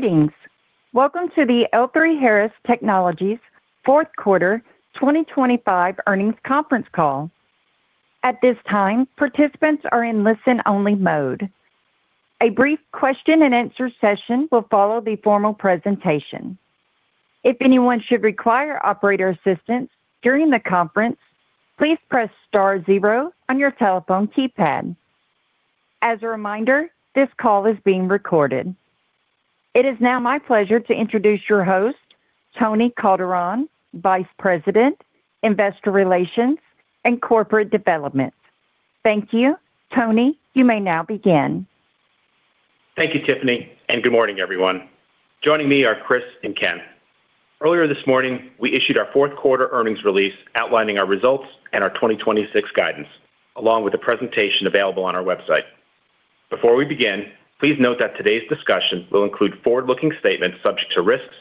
Greetings! Welcome to the L3Harris Technologies Fourth Quarter 2025 Earnings Conference Call. At this time, participants are in listen-only mode. A brief question-and-answer session will follow the formal presentation. If anyone should require operator assistance during the conference, please press star zero on your telephone keypad. As a reminder, this call is being recorded. It is now my pleasure to introduce your host, Tony Calderon, Vice President, Investor Relations and Corporate Development. Thank you. Tony, you may now begin. Thank you, Tiffany, and good morning, everyone. Joining me are Chris and Ken. Earlier this morning, we issued our fourth quarter earnings release, outlining our results and our 2026 guidance, along with a presentation available on our website. Before we begin, please note that today's discussion will include forward-looking statements subject to risks,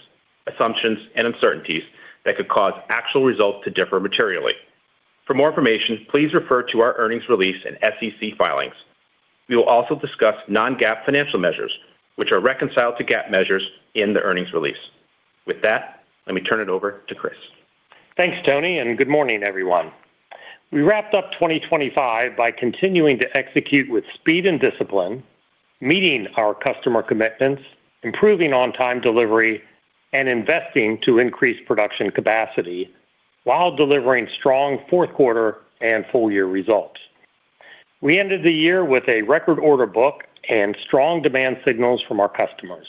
assumptions, and uncertainties that could cause actual results to differ materially. For more information, please refer to our earnings release and SEC filings. We will also discuss non-GAAP financial measures, which are reconciled to GAAP measures in the earnings release. With that, let me turn it over to Chris. Thanks, Tony, and good morning, everyone. We wrapped up 2025 by continuing to execute with speed and discipline, meeting our customer commitments, improving on-time delivery, and investing to increase production capacity while delivering strong fourth quarter and full year results. We ended the year with a record order book and strong demand signals from our customers.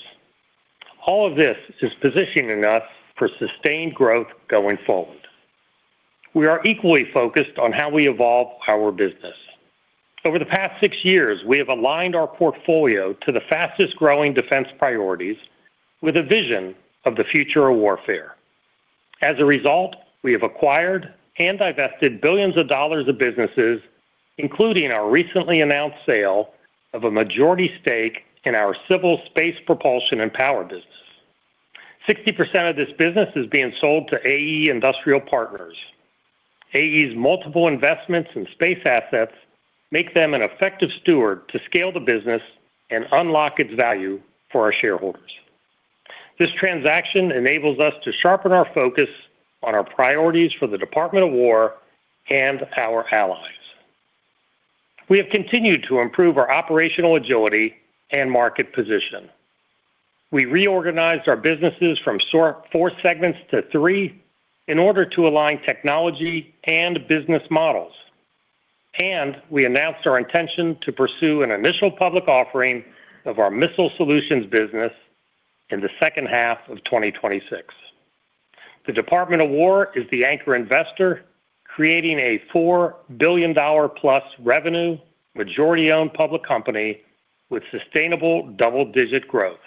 All of this is positioning us for sustained growth going forward. We are equally focused on how we evolve our business. Over the past six years, we have aligned our portfolio to the fastest-growing defense priorities with a vision of the future of warfare. As a result, we have acquired and divested billions of dollars of businesses, including our recently announced sale of a majority stake in our Civil Space Propulsion and Power business. 60% of this business is being sold to AE Industrial Partners. AE's multiple investments in Space assets make them an effective steward to scale the business and unlock its value for our shareholders. This transaction enables us to sharpen our focus on our priorities for the Department of War and our allies. We have continued to improve our operational agility and market position. We reorganized our businesses from four segments to 3 in order to align technology and business models, and we announced our intention to pursue an initial public offering of our Missile Solutions business in the second half of 2026. The Department of War is the anchor investor, creating a $4 billion+ revenue, majority-owned public company with sustainable double-digit growth.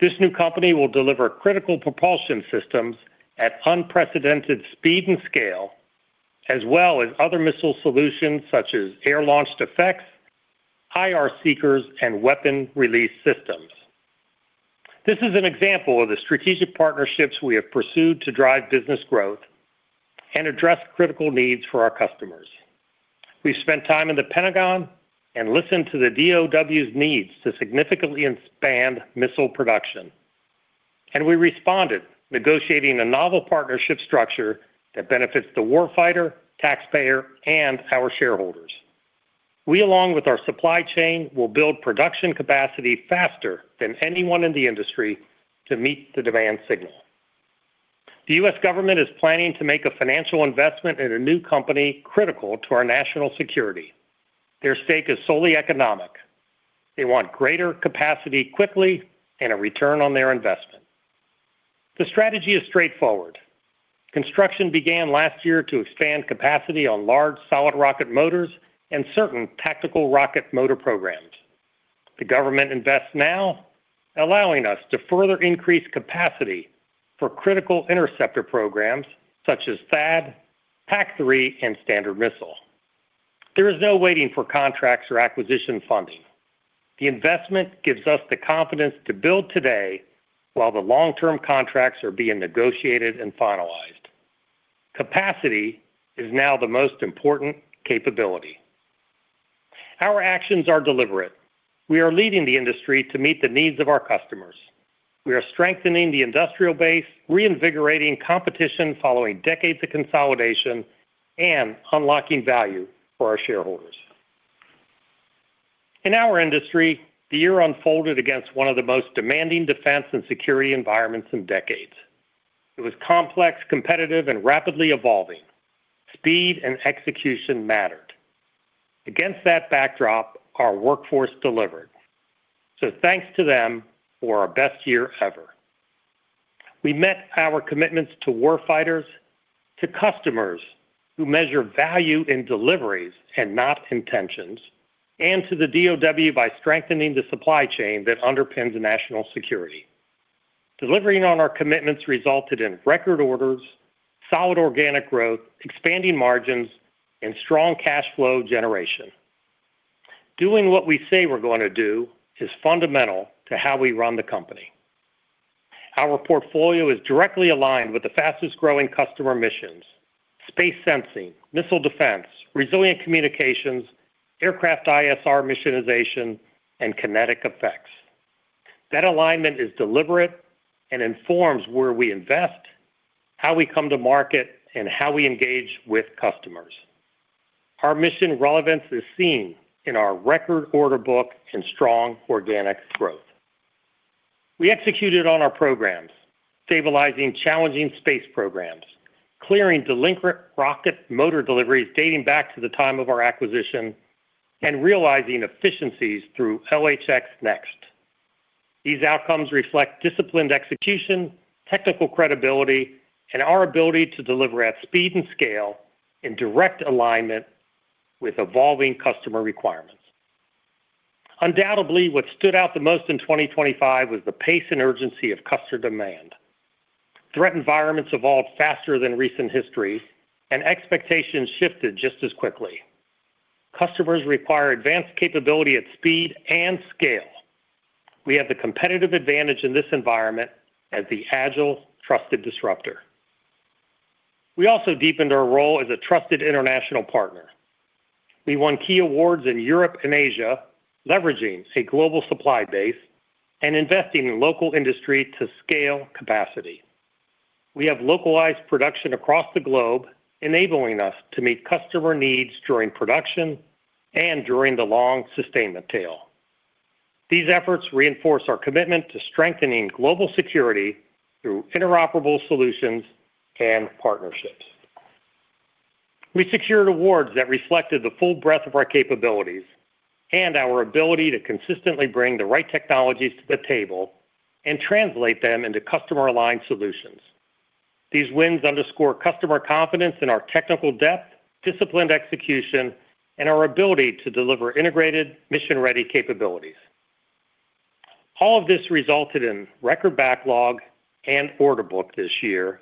This new company will deliver critical propulsion systems at unprecedented speed and scale, as well as other Missile Solutions such as Air-Launched Effects, IR seekers, and weapon release systems. This is an example of the strategic partnerships we have pursued to drive business growth and address critical needs for our customers. We've spent time in the Pentagon and listened to the D.O.W.'s needs to significantly expand missile production, and we responded, negotiating a novel partnership structure that benefits the warfighter, taxpayer, and our shareholders. We, along with our supply chain, will build production capacity faster than anyone in the industry to meet the demand signal. The U.S. government is planning to make a financial investment in a new company critical to our national security. Their stake is solely economic. They want greater capacity quickly and a return on their investment. The strategy is straightforward. Construction began last year to expand capacity on large solid rocket motors and certain tactical rocket motor programs. The government invests now, allowing us to further increase capacity for critical interceptor programs such as THAAD, PAC-3, and Standard Missile. There is no waiting for contracts or acquisition funding. The investment gives us the confidence to build today while the long-term contracts are being negotiated and finalized. Capacity is now the most important capability. Our actions are deliberate. We are leading the industry to meet the needs of our customers. We are strengthening the industrial base, reinvigorating competition following decades of consolidation, and unlocking value for our shareholders. In our industry, the year unfolded against one of the most demanding defense and security environments in decades. It was complex, competitive, and rapidly evolving. Speed and execution mattered. Against that backdrop, our workforce delivered. So thanks to them for our best year ever. We met our commitments to warfighters, to customers who measure value in deliveries and not intentions, and to the DOW by strengthening the supply chain that underpins national security. Delivering on our commitments resulted in record orders, solid organic growth, expanding margins, and strong cash flow generation. Doing what we say we're going to do is fundamental to how we run the company…. Our portfolio is directly aligned with the fastest-growing customer missions: Space sensing, missile defense, resilient communications, aircraft ISR missionization, and kinetic effects. That alignment is deliberate and informs where we invest, how we come to market, and how we engage with customers. Our mission relevance is seen in our record order book and strong organic growth. We executed on our programs, stabilizing challenging Space programs, clearing delinquent rocket motor deliveries dating back to the time of our acquisition, and realizing efficiencies through LHX NeXt. These outcomes reflect disciplined execution, technical credibility, and our ability to deliver at speed and scale in direct alignment with evolving customer requirements. Undoubtedly, what stood out the most in 2025 was the pace and urgency of customer demand. Threat environments evolved faster than recent history, and expectations shifted just as quickly. Customers require advanced capability at speed and scale. We have the competitive advantage in this environment as the agile, trusted disruptor. We also deepened our role as a trusted international partner. We won key awards in Europe and Asia, leveraging a global supply base and investing in local industry to scale capacity. We have localized production across the globe, enabling us to meet customer needs during production and during the long sustainment tail. These efforts reinforce our commitment to strengthening global security through interoperable solutions and partnerships. We secured awards that reflected the full breadth of our capabilities and our ability to consistently bring the right technologies to the table and translate them into customer-aligned solutions. These wins underscore customer confidence in our technical depth, disciplined execution, and our ability to deliver integrated, mission-ready capabilities. All of this resulted in record backlog and order book this year,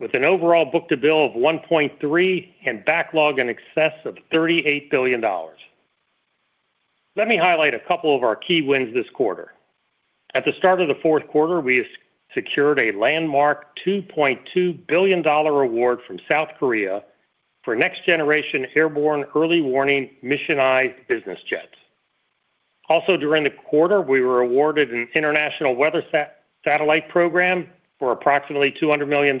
with an overall Book-to-Bill of 1.3 and backlog in excess of $38 billion. Let me highlight a couple of our key wins this quarter. At the start of the fourth quarter, we secured a landmark $2.2 billion award from South Korea for next-generation airborne early warning missionized business jets. Also, during the quarter, we were awarded an international weather satellite program for approximately $200 million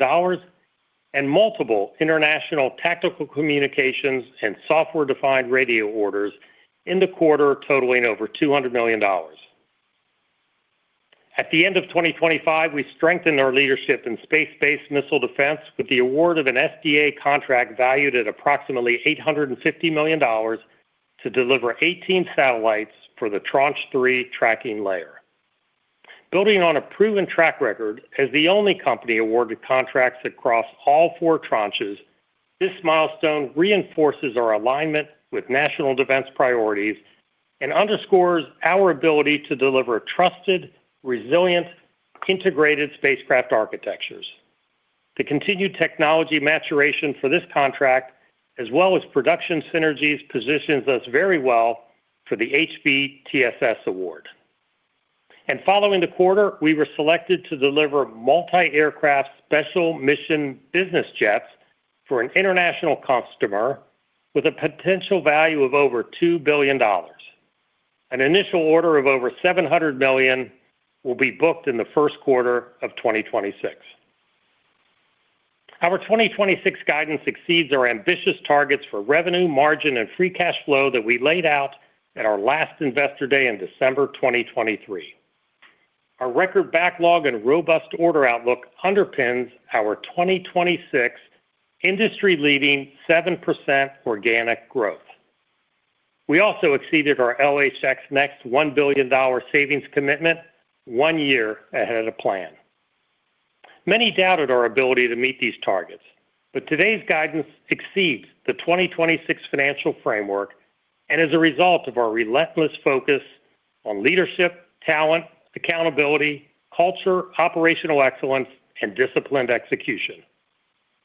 and multiple international tactical communications and software-defined radio orders in the quarter, totaling over $200 million. At the end of 2025, we strengthened our leadership in Space-based missile defense with the award of an SDA contract valued at approximately $850 million to deliver 18 satellites for the Tranche 3 Tracking Layer. Building on a proven track record as the only company awarded contracts across all four tranches, this milestone reinforces our alignment with national defense priorities and underscores our ability to deliver trusted, resilient, integrated spacecraft architectures. The continued technology maturation for this contract, as well as production synergies, positions us very well for the HBTSS award. Following the quarter, we were selected to deliver multi-aircraft special mission business jets for an international customer with a potential value of over $2 billion. An initial order of over $700 million will be booked in the first quarter of 2026. Our 2026 guidance exceeds our ambitious targets for revenue, margin, and free cash flow that we laid out at our last Investor Day in December 2023. Our record backlog and robust order outlook underpins our 2026 industry-leading 7% organic growth. We also exceeded our LHX NeXt $1 billion savings commitment one year ahead of plan. Many doubted our ability to meet these targets, but today's guidance exceeds the 2026 financial framework and is a result of our relentless focus on leadership, talent, accountability, culture, operational excellence, and disciplined execution.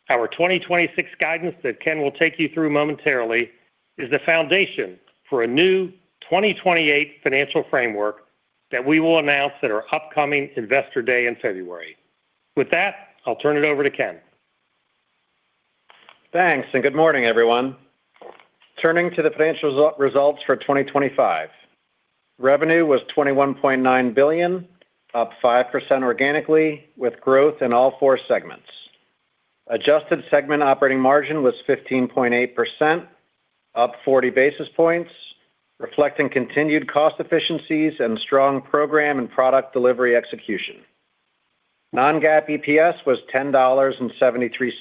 Our 2026 guidance, that Ken will take you through momentarily, is the foundation for a new 2028 financial framework that we will announce at our upcoming Investor Day in February. With that, I'll turn it over to Ken. Thanks, and good morning, everyone. Turning to the financial results for 2025. Revenue was $21.9 billion, up 5% organically, with growth in all four segments. Adjusted segment operating margin was 15.8%, up forty basis points, reflecting continued cost efficiencies and strong program and product delivery execution. Non-GAAP EPS was $10.73,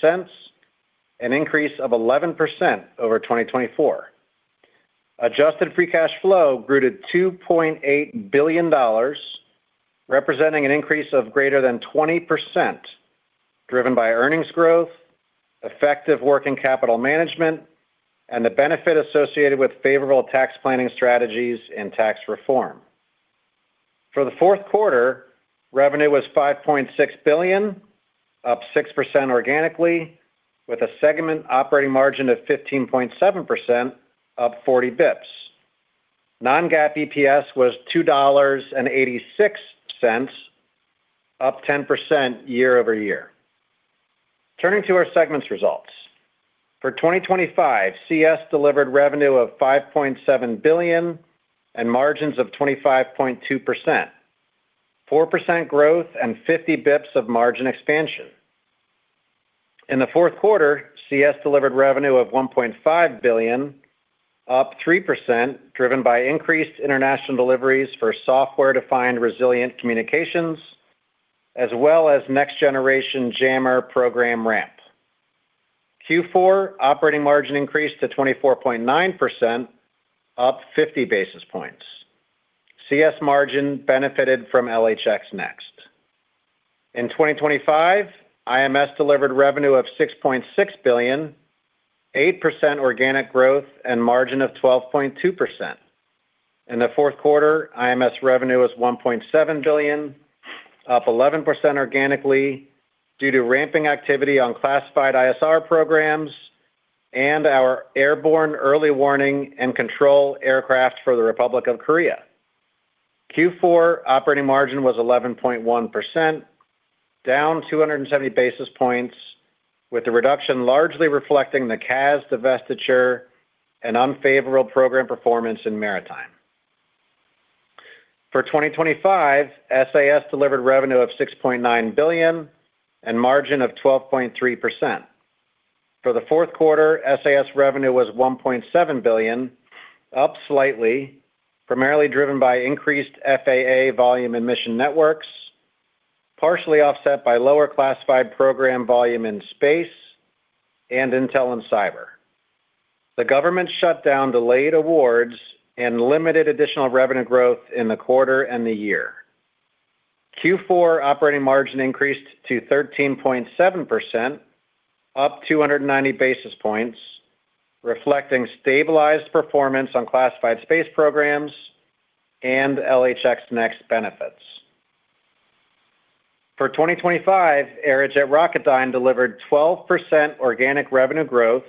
an increase of 11% over 2024. Adjusted free cash flow grew to $2.8 billion, representing an increase of greater than 20%, driven by earnings growth, effective working capital management, and the benefit associated with favorable tax planning strategies and tax reform. For the fourth quarter, revenue was $5.6 billion, up 6% organically, with a segment operating margin of 15.7%, up forty basis points. Non-GAAP EPS was $2.86, up 10% year-over-year. Turning to our segments results. For 2025, CS delivered revenue of $5.7 billion and margins of 25.2%, 4% growth and 50 basis points of margin expansion. In the fourth quarter, CS delivered revenue of $1.5 billion, up 3%, driven by increased international deliveries for software-defined resilient communications, as well as Next Generation Jammer program ramp. Q4 operating margin increased to 24.9%, up 50 basis points. CS margin benefited from LHX NeXt. In 2025, IMS delivered revenue of $6.6 billion, 8% organic growth and margin of 12.2%. In the fourth quarter, IMS revenue was $1.7 billion, up 11% organically due to ramping activity on classified ISR programs and our airborne early warning and control aircraft for the Republic of Korea. Q4 operating margin was 11.1%, down 270 basis points, with the reduction largely reflecting the CAS divestiture and unfavorable program performance in maritime. For 2025, SAS delivered revenue of $6.9 billion and margin of 12.3%. For the fourth quarter, SAS revenue was $1.7 billion, up slightly, primarily driven by increased FAA volume and Mission Networks, partially offset by lower classified program volume in Space and Intel and Cyber. The government shut down delayed awards and limited additional revenue growth in the quarter and the year. Q4 operating margin increased to 13.7%, up 290 basis points, reflecting stabilized performance on classified Space programs and LHX NeXt benefits. For 2025, Aerojet Rocketdyne delivered 12% organic revenue growth,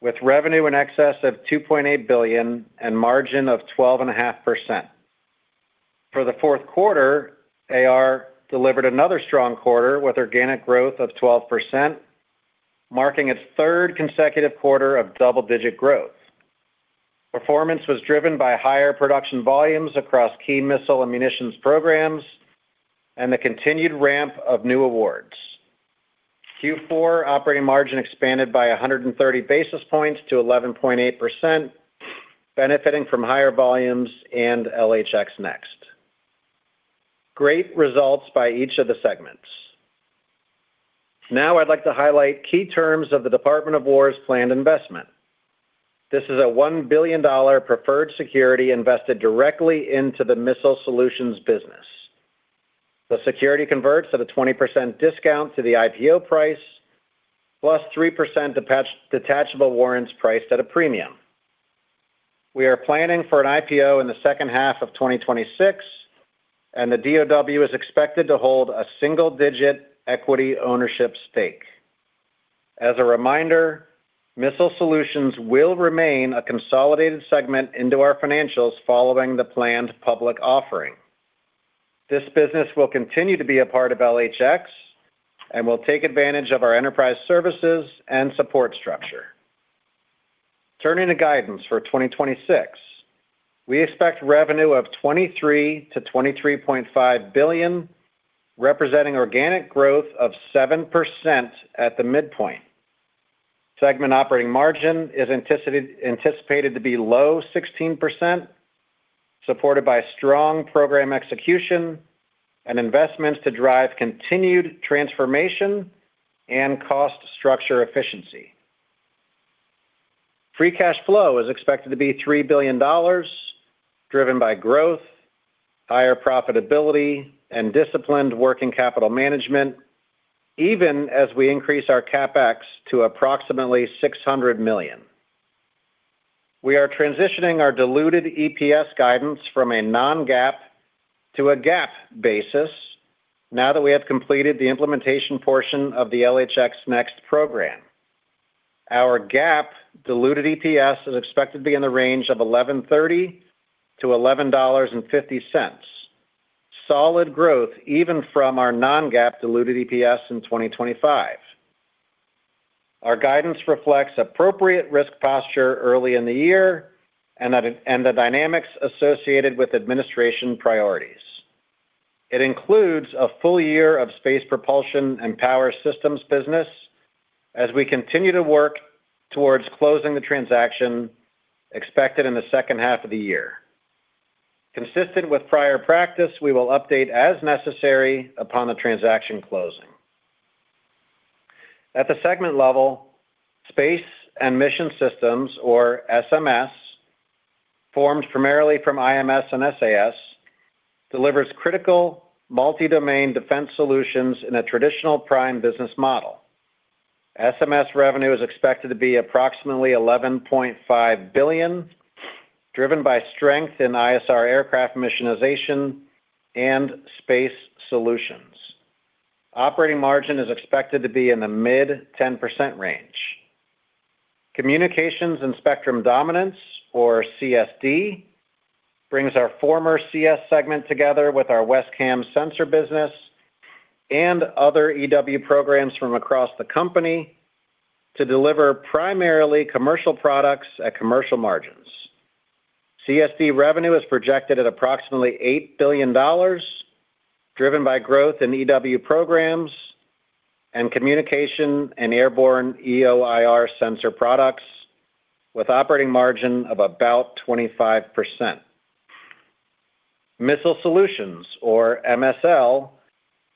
with revenue in excess of $2.8 billion and margin of 12.5%. For the fourth quarter, AR delivered another strong quarter with organic growth of 12%, marking its third consecutive quarter of double-digit growth. Performance was driven by higher production volumes across key missile and munitions programs and the continued ramp of new awards. Q4 operating margin expanded by 130 basis points to 11.8%, benefiting from higher volumes and LHX NeXt. Great results by each of the segments. Now, I'd like to highlight key terms of the Department of War's planned investment. This is a $1 billion preferred security invested directly into the Missile Solutions business. The security converts at a 20% discount to the IPO price, +3% detach, detachable warrants priced at a premium. We are planning for an IPO in the second half of 2026, and the DOW is expected to hold a single-digit equity ownership stake. As a reminder, Missile Solutions will remain a consolidated segment into our financials following the planned public offering. This business will continue to be a part of LHX and will take advantage of our enterprise services and support structure. Turning to guidance for 2026, we expect revenue of $23 billion-$23.5 billion, representing organic growth of 7% at the midpoint. Segment operating margin is anticipated to be low 16%, supported by strong program execution and investments to drive continued transformation and cost structure efficiency. Free cash flow is expected to be $3 billion, driven by growth, higher profitability, and disciplined working capital management, even as we increase our CapEx to approximately $600 million. We are transitioning our diluted EPS guidance from a non-GAAP to a GAAP basis now that we have completed the implementation portion of the LHX NeXt program. Our GAAP diluted EPS is expected to be in the range of $11.30-$11.50. Solid growth, even from our non-GAAP diluted EPS in 2025. Our guidance reflects appropriate risk posture early in the year and the dynamics associated with administration priorities. It includes a full year of Space propulsion and power systems business as we continue to work towards closing the transaction expected in the second half of the year. Consistent with prior practice, we will update as necessary upon the transaction closing. At the segment level, Space and Mission Systems, or SMS, formed primarily from IMS and SAS, delivers critical multi-domain defense solutions in a traditional prime business model. SMS revenue is expected to be approximately $11.5 billion, driven by strength in ISR aircraft, missionization, and Space solutions. Operating margin is expected to be in the mid-10% range. Communications and Spectrum Dominance, or CSD, brings our former CS segment together with our WESCAM sensor business and other EW programs from across the company to deliver primarily commercial products at commercial margins. CSD revenue is projected at approximately $8 billion, driven by growth in EW programs and communication and airborne EO/IR sensor products, with operating margin of about 25%. Missile Solutions, or MSL,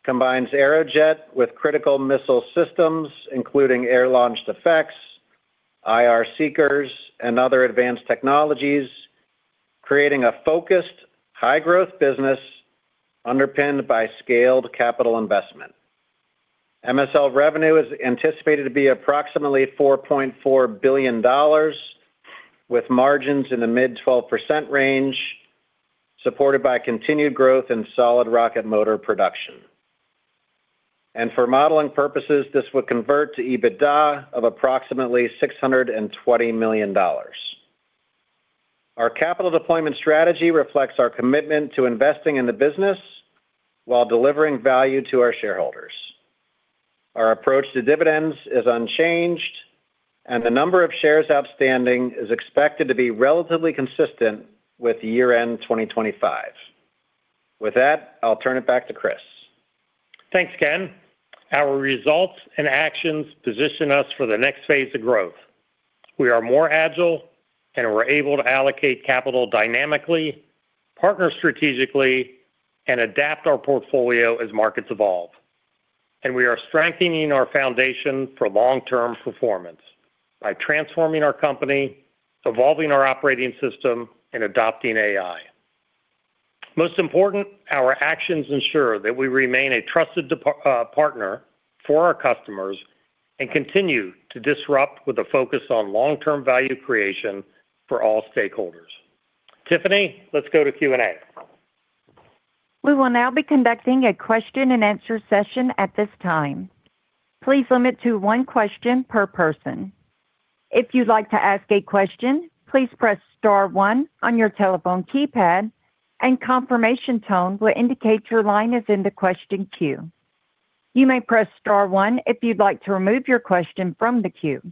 combines Aerojet with critical missile systems, including Air-Launched Effects, IR seekers, and other advanced technologies, creating a focused, high-growth business underpinned by scaled capital investment. MSL revenue is anticipated to be approximately $4.4 billion, with margins in the mid-12% range, supported by continued growth in solid rocket motor production. For modeling purposes, this would convert to EBITDA of approximately $620 million. Our capital deployment strategy reflects our commitment to investing in the business while delivering value to our shareholders. Our approach to dividends is unchanged, and the number of shares outstanding is expected to be relatively consistent with year-end 2025. With that, I'll turn it back to Chris. Thanks, Ken. Our results and actions position us for the next phase of growth. We are more agile, and we're able to allocate capital dynamically, partner strategically, and adapt our portfolio as markets evolve. We are strengthening our foundation for long-term performance by transforming our company, evolving our operating system, and adopting AI. Most important, our actions ensure that we remain a trusted partner for our customers and continue to disrupt with a focus on long-term value creation for all stakeholders. Tiffany, let's go to Q&A. We will now be conducting a question-and-answer session at this time. Please limit to one question per person. If you'd like to ask a question, please press star one on your telephone keypad, and confirmation tone will indicate your line is in the question queue. You may press star one if you'd like to remove your question from the queue.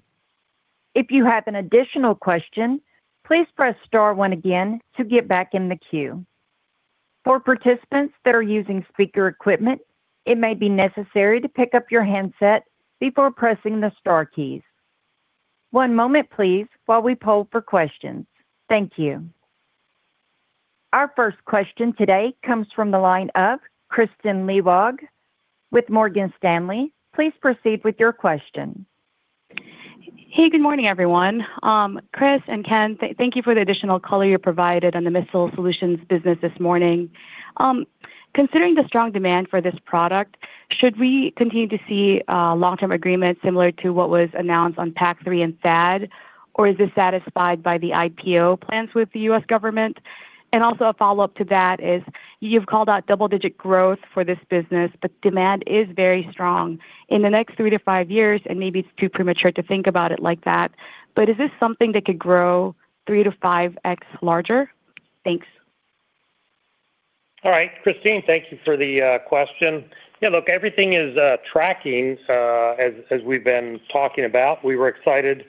If you have an additional question, please press star one again to get back in the queue. For participants that are using speaker equipment, it may be necessary to pick up your handset before pressing the star keys. One moment, please, while we poll for questions. Thank you. Our first question today comes from the line of Kristine Liwag with Morgan Stanley. Please proceed with your question. Hey, good morning, everyone. Chris and Ken, thank you for the additional color you provided on the Missile Solutions business this morning. Considering the strong demand for this product, should we continue to see long-term agreements similar to what was announced on PAC-3 and THAAD, or is this satisfied by the IPO plans with the U.S. government? And also a follow-up to that is, you've called out double-digit growth for this business, but demand is very strong. In the next three-five years, and maybe it's too premature to think about it like that, but is this something that could grow 3x-5x larger? Thanks. All right, Kristine, thank you for the question. Yeah, look, everything is tracking as we've been talking about. We were excited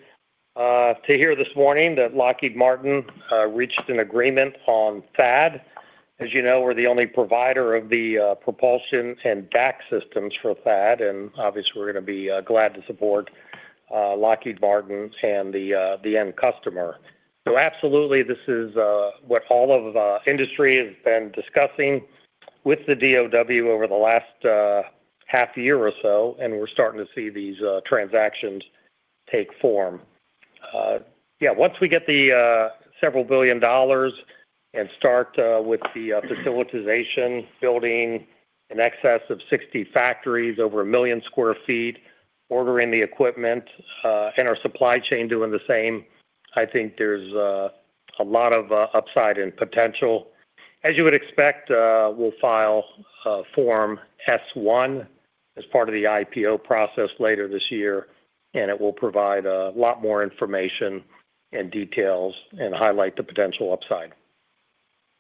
to hear this morning that Lockheed Martin reached an agreement on THAAD. As you know, we're the only provider of the propulsion and DAC systems for THAAD, and obviously, we're gonna be glad to support Lockheed Martin and the end customer. So absolutely, this is what all of industry has been discussing with the DOW over the last half year or so, and we're starting to see these transactions take form. Yeah, once we get the several billion dollars and start with the facilitization, building in excess of 60 factories, over 1 million sq ft, ordering the equipment, and our supply chain doing the same, I think there's a lot of upside and potential. As you would expect, we'll file a Form S-1 as part of the IPO process later this year, and it will provide a lot more information and details and highlight the potential upside.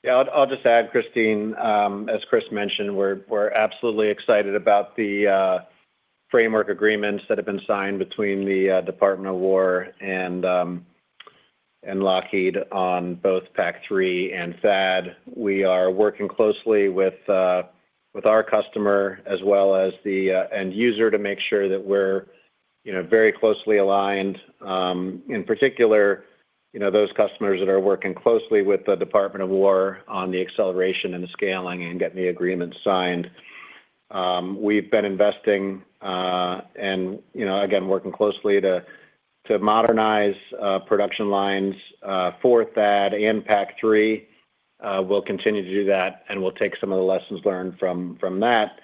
Yeah, I'll just add, Kristine, as Chris mentioned, we're absolutely excited about the framework agreements that have been signed between the Department of War and Lockheed on both PAC-3 and THAAD. We are working closely with our customer as well as the end user to make sure that we're, you know, very closely aligned, in particular, you know, those customers that are working closely with the Department of War on the acceleration and the scaling and getting the agreements signed. We've been investing, and, you know, again, working closely to modernize production lines for THAAD and PAC-3. We'll continue to do that, and we'll take some of the lessons learned from that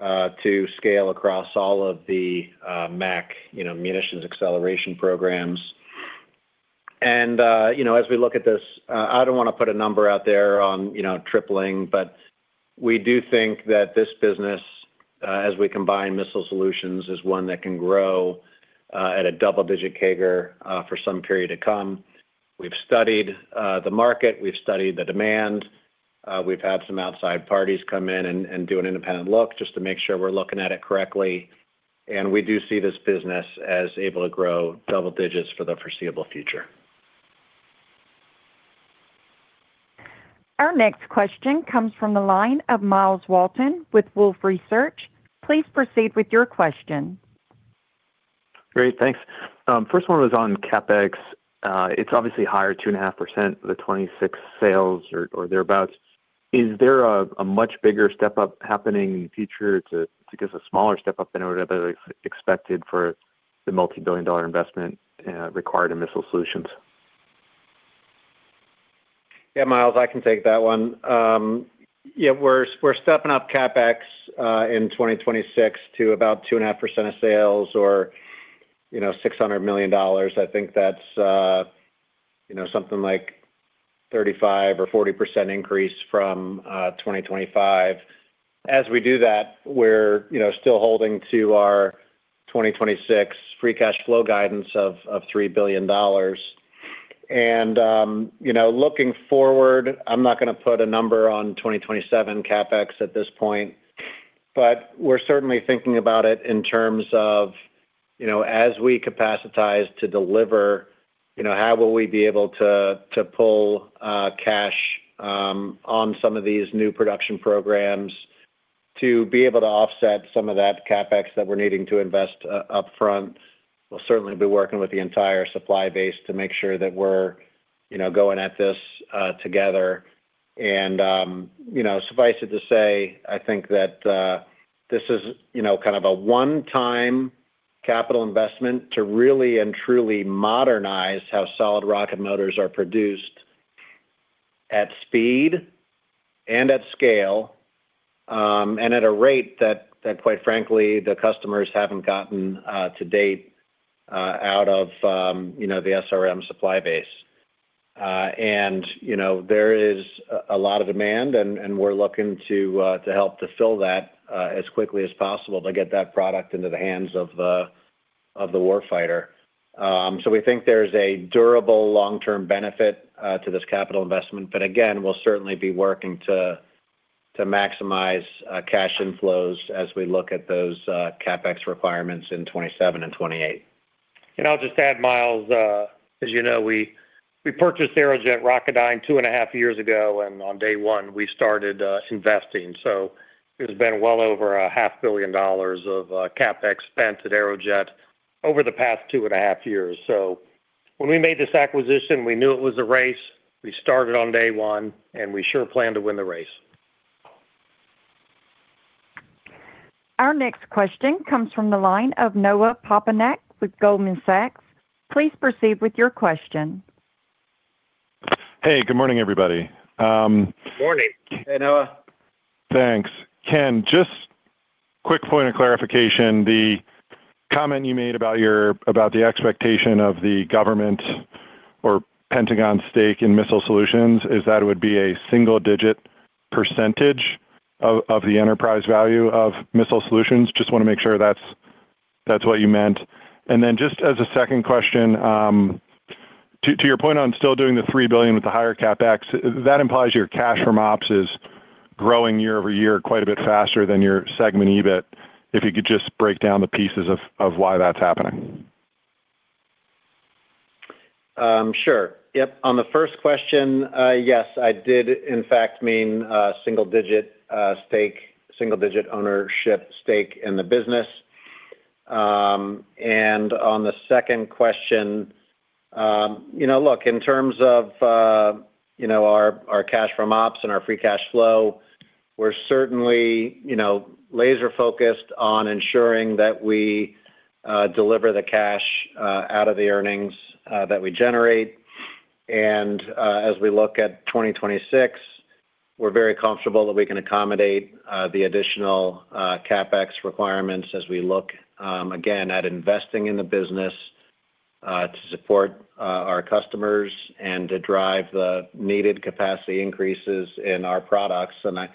to scale across all of the MAC, you know, munitions acceleration programs.... You know, as we look at this, I don't want to put a number out there on, you know, tripling, but we do think that this business, as we combine Missile Solutions, is one that can grow at a double-digit CAGR for some period to come. We've studied the market, we've studied the demand. We've had some outside parties come in and do an independent look just to make sure we're looking at it correctly. And we do see this business as able to grow double digits for the foreseeable future. Our next question comes from the line of Myles Walton with Wolfe Research. Please proceed with your question. Great, thanks. First one was on CapEx. It's obviously higher 2.5% for the 2026 sales or thereabouts. Is there a much bigger step-up happening in the future to give a smaller step-up than what expected for the multi-billion-dollar investment required in Missile Solutions? Yeah, Myles, I can take that one. Yeah, we're stepping up CapEx in 2026 to about 2.5% of sales or, you know, $600 million. I think that's, you know, something like 35% or 40% increase from 2025. As we do that, we're, you know, still holding to our 2026 free cash flow guidance of $3 billion. And, you know, looking forward, I'm not going to put a number on 2027 CapEx at this point, but we're certainly thinking about it in terms of, you know, as we capacitize to deliver, you know, how will we be able to pull cash on some of these new production programs to be able to offset some of that CapEx that we're needing to invest upfront? We'll certainly be working with the entire supply base to make sure that we're, you know, going at this together. You know, suffice it to say, I think that this is, you know, kind of a one-time capital investment to really and truly modernize how solid rocket motors are produced at speed and at scale, and at a rate that, quite frankly, the customers haven't gotten to date out of, you know, the SRM supply base. You know, there is a lot of demand, and we're looking to help to fill that as quickly as possible to get that product into the hands of the warfighter. So we think there's a durable long-term benefit to this capital investment. But again, we'll certainly be working to maximize cash inflows as we look at those CapEx requirements in 2027 and 2028. I'll just add, Myles, as you know, we purchased Aerojet Rocketdyne 2.5 years ago, and on day one, we started investing. So it's been well over $500 million of CapEx spent at Aerojet over the past 2.5 years. So when we made this acquisition, we knew it was a race. We started on day one, and we sure plan to win the race. Our next question comes from the line of Noah Poponak with Goldman Sachs. Please proceed with your question. Hey, good morning, everybody. Morning. Hey, Noah. Thanks. Ken, just quick point of clarification. The comment you made about the expectation of the government or Pentagon stake in Missile Solutions, is that it would be a single-digit percentage of the enterprise value of Missile Solutions? Just want to make sure that's what you meant. And then just as a second question, to your point on still doing the $3 billion with the higher CapEx, that implies your cash from ops is growing year-over-year quite a bit faster than your segment EBIT. If you could just break down the pieces of why that's happening. Sure. Yep. On the first question, yes, I did in fact mean single digit stake, single digit ownership stake in the business. And on the second question, you know, look, in terms of you know, our cash from ops and our free cash flow, we're certainly you know, laser-focused on ensuring that we deliver the cash out of the earnings that we generate. And as we look at 2026, we're very comfortable that we can accommodate the additional CapEx requirements as we look again at investing in the business to support our customers and to drive the needed capacity increases in our products. And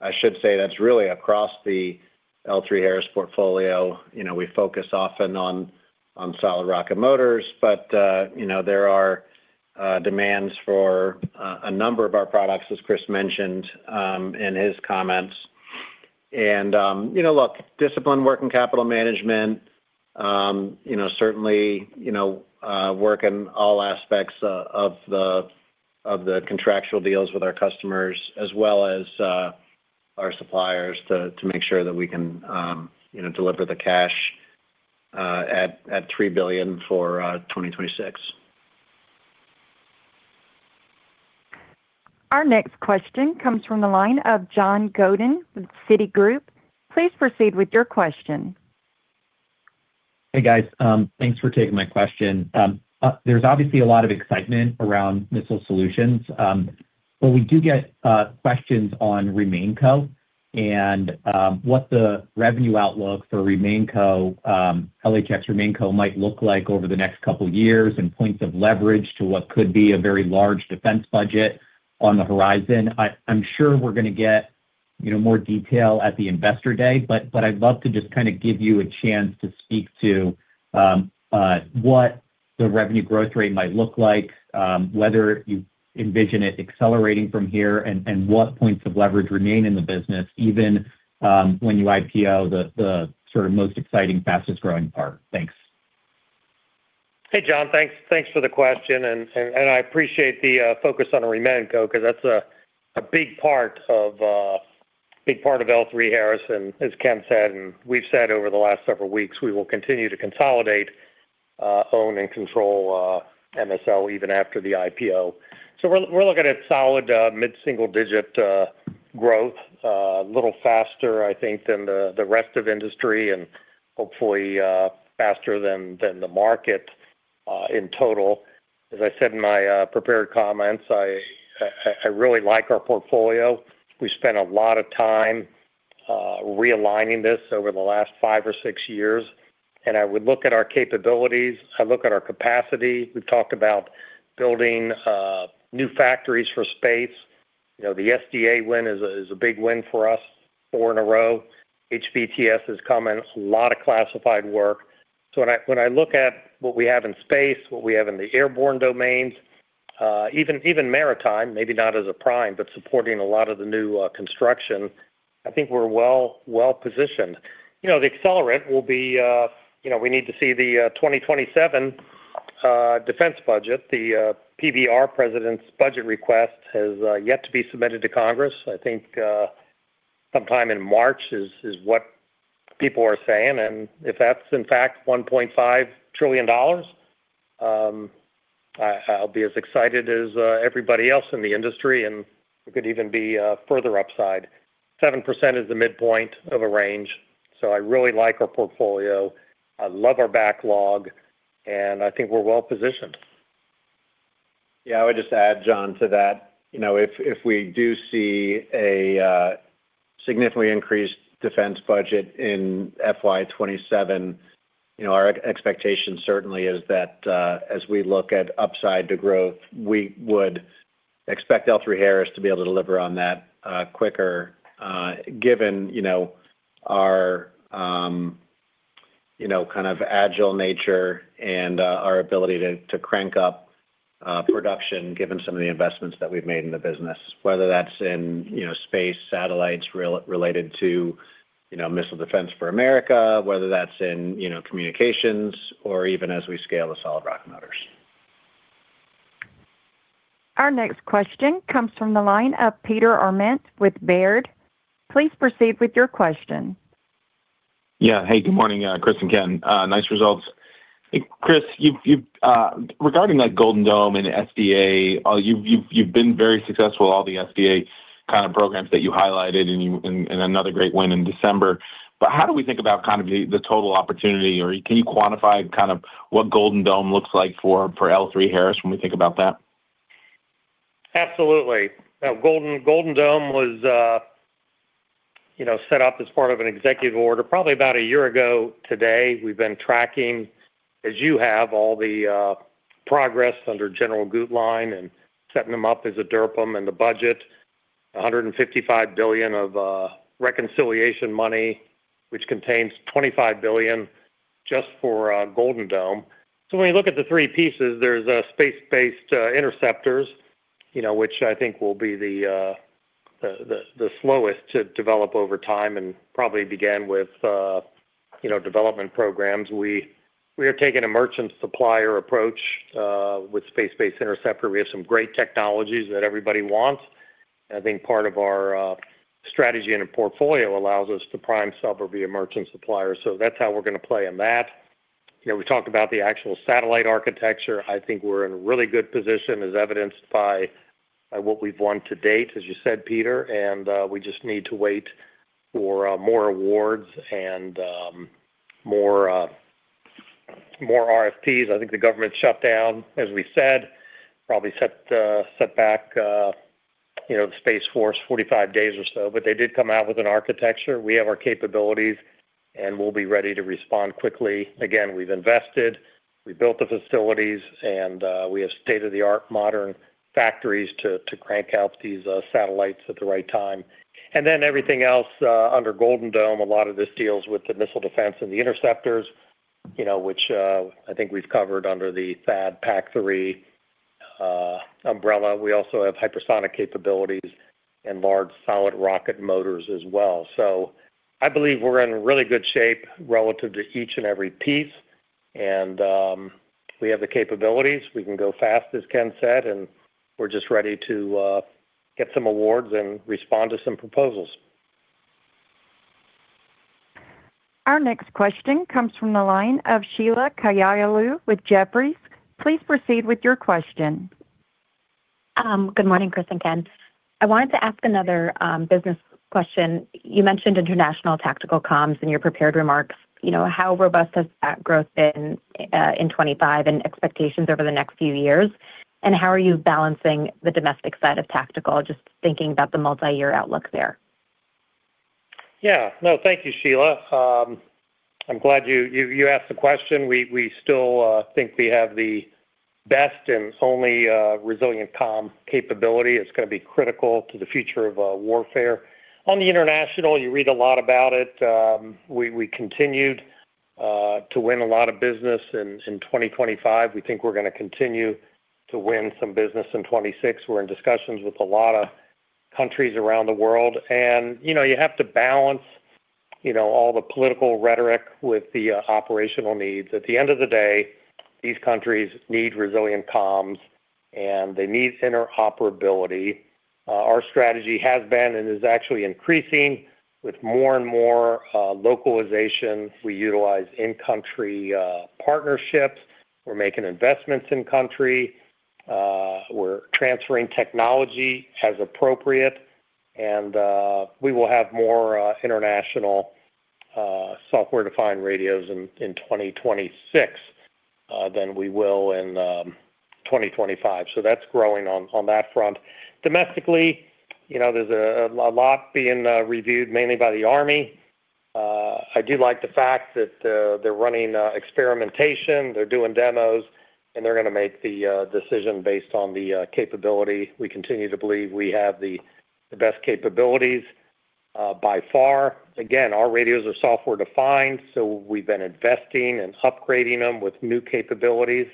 I should say that's really across the L3Harris portfolio. You know, we focus often on solid rocket motors, but you know, there are demands for a number of our products, as Chris mentioned in his comments. You know, look, discipline, working capital management, you know, certainly, you know, work in all aspects of the contractual deals with our customers, as well as our suppliers, to make sure that we can you know, deliver the cash at $3 billion for 2026. Our next question comes from the line of Jason Gursky with Citigroup. Please proceed with your question. Hey, guys. Thanks for taking my question. There's obviously a lot of excitement around Missile Solutions, but we do get questions on RemainCo.... and what the revenue outlook for RemainCo, L3Harris RemainCo might look like over the next couple of years, and points of leverage to what could be a very large defense budget on the horizon. I'm sure we're gonna get, you know, more detail at the Investor Day. But I'd love to just kind of give you a chance to speak to what the revenue growth rate might look like, whether you envision it accelerating from here, and what points of leverage remain in the business, even when you IPO the sort of most exciting, fastest-growing part? Thanks. Hey, John, thanks, thanks for the question, and I appreciate the focus on RemainCo, 'cause that's a big part of L3Harris. As Ken said, and we've said over the last several weeks, we will continue to consolidate, own and control MSL even after the IPO. So we're looking at solid mid-single-digit growth, a little faster, I think, than the rest of industry and hopefully faster than the market in total. As I said in my prepared comments, I really like our portfolio. We spent a lot of time realigning this over the last five or six years, and I would look at our capabilities, I look at our capacity. We've talked about building new factories for Space. You know, the SDA win is a big win for us, four in a row. HBTSS is coming. It's a lot of classified work. So when I look at what we have in Space, what we have in the airborne domains, even maritime, maybe not as a prime, but supporting a lot of the new construction, I think we're well-positioned. You know, the accelerant will be. You know, we need to see the 2027 defense budget. The PBR, President's Budget Request, has yet to be submitted to Congress. I think sometime in March is what people are saying. And if that's in fact $1.5 trillion, I'll be as excited as everybody else in the industry, and it could even be further upside. 7% is the midpoint of a range, so I really like our portfolio. I love our backlog, and I think we're well-positioned. Yeah, I would just add, John, to that. You know, if we do see a significantly increased defense budget in FY 2027, you know, our expectation certainly is that, as we look at upside to growth, we would expect L3Harris to be able to deliver on that, quicker, given, you know, our, you know, kind of agile nature and, our ability to crank up, production, given some of the investments that we've made in the business. Whether that's in, you know, Space, satellites, related to, you know, missile defense for America, whether that's in, you know, communications or even as we scale the solid rocket motors. Our next question comes from the line of Peter Arment with Baird. Please proceed with your question. Yeah. Hey, good morning, Chris and Ken. Nice results. Chris, you've regarding, like, Golden Dome and SDA, you've been very successful, all the SDA kind of programs that you highlighted and another great win in December. But how do we think about kind of the total opportunity? Or can you quantify kind of what Golden Dome looks like for L3Harris when we think about that? Absolutely. Now, Golden, Golden Dome was, you know, set up as part of an executive order probably about a year ago today. We've been tracking, as you have, all the, progress under General Guetlein and setting them up as a DRPM in the budget. $155 billion of, reconciliation money, which contains $25 billion just for, Golden Dome. So when you look at the three pieces, there's, Space-based, interceptors, you know, which I think will be the, the, the, the slowest to develop over time and probably began with, you know, development programs. We, we have taken a merchant supplier approach, with Space-based interceptor. We have some great technologies that everybody wants. I think part of our strategy and our portfolio allows us to prime sub or be a merchant supplier, so that's how we're gonna play on that. You know, we talked about the actual satellite architecture. I think we're in a really good position, as evidenced by what we've won to date, as you said, Peter, and we just need to wait for more awards and more RFPs. I think the government shutdown, as we said, probably set back, you know, the Space Force 45 days or so, but they did come out with an architecture. We have our capabilities, and we'll be ready to respond quickly. Again, we've invested, we built the facilities, and we have state-of-the-art modern factories to crank out these satellites at the right time. And then everything else under Golden Dome, a lot of this deals with the missile defense and the interceptors, you know, which I think we've covered under the THAAD PAC-3 umbrella. We also have hypersonic capabilities and large solid rocket motors as well. So I believe we're in really good shape relative to each and every piece, and we have the capabilities. We can go fast, as Ken said, and we're just ready to get some awards and respond to some proposals. Our next question comes from the line of Sheila Kahyaoglu with Jefferies. Please proceed with your question. Good morning, Chris and Ken. I wanted to ask another business question. You mentioned international tactical comms in your prepared remarks. You know, how robust has that growth been in 2025 and expectations over the next few years? And how are you balancing the domestic side of tactical, just thinking about the multiyear outlook there?... Yeah. No, thank you, Sheila. I'm glad you asked the question. We still think we have the best and only resilient comm capability. It's gonna be critical to the future of warfare. On the international, you read a lot about it. We continued to win a lot of business in 2025. We think we're gonna continue to win some business in 2026. We're in discussions with a lot of countries around the world, and you know, you have to balance all the political rhetoric with the operational needs. At the end of the day, these countries need resilient comms, and they need interoperability. Our strategy has been, and is actually increasing with more and more localization. We utilize in-country partnerships. We're making investments in-country. We're transferring technology as appropriate, and we will have more international software-defined radios in 2026 than we will in 2025. So that's growing on that front. Domestically, you know, there's a lot being reviewed, mainly by the army. I do like the fact that they're running experimentation, they're doing demos, and they're gonna make the decision based on the capability. We continue to believe we have the best capabilities by far. Again, our radios are software-defined, so we've been investing and upgrading them with new capabilities.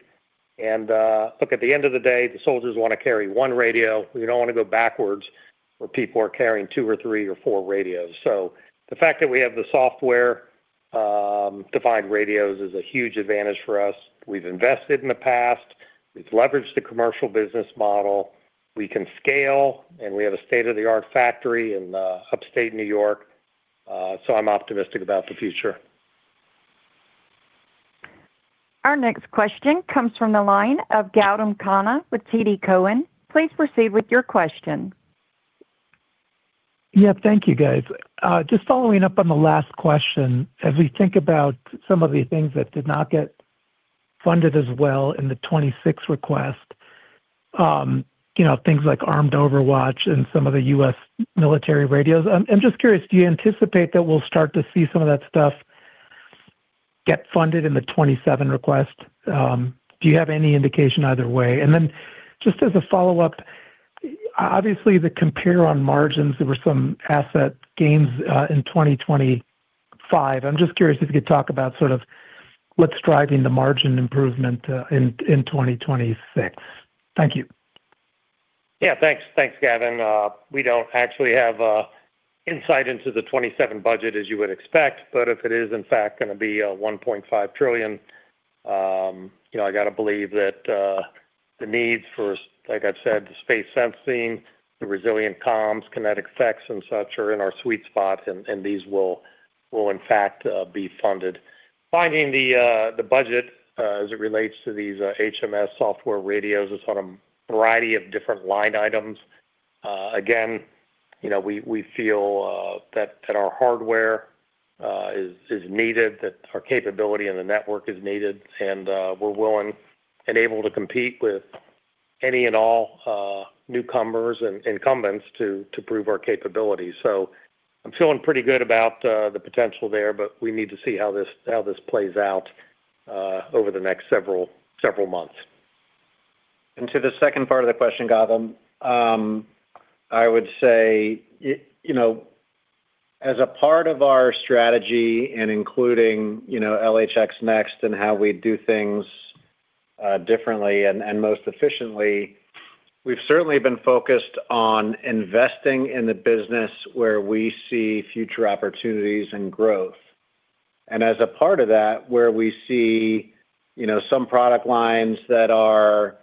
And look, at the end of the day, the soldiers wanna carry one radio. We don't wanna go backwards where people are carrying two or three or four radios. The fact that we have the software defined radios is a huge advantage for us. We've invested in the past. We've leveraged the commercial business model. We can scale, and we have a state-of-the-art factory in upstate New York. I'm optimistic about the future. Our next question comes from the line of Gautam Khanna with TD Cowen. Please proceed with your question. Yeah, thank you, guys. Just following up on the last question. As we think about some of the things that did not get funded as well in the 2026 request, you know, things like Armed Overwatch and some of the U.S. military radios, I'm just curious, do you anticipate that we'll start to see some of that stuff get funded in the 2027 request? Do you have any indication either way? And then just as a follow-up, obviously, the compare on margins, there were some asset gains in 2025. I'm just curious if you could talk about sort of what's driving the margin improvement in 2026. Thank you. Yeah, thanks. Thanks, Gautam. We don't actually have insight into the 2027 budget, as you would expect, but if it is, in fact, gonna be $1.5 trillion, you know, I gotta believe that the needs for, like I said, the Space sensing, the resilient comms, kinetic effects and such, are in our sweet spot, and these will, in fact, be funded. Finding the budget as it relates to these HMS software radios is on a variety of different line items. Again, you know, we feel that our hardware is needed, that our capability and the network is needed, and we're willing and able to compete with any and all newcomers and incumbents to prove our capabilities. So I'm feeling pretty good about the potential there, but we need to see how this plays out over the next several months. To the second part of the question, Gautam, I would say, you know, as a part of our strategy and including, you know, LHX NeXt and how we do things differently and most efficiently, we've certainly been focused on investing in the business where we see future opportunities and growth. And as a part of that, where we see, you know, some product lines that are,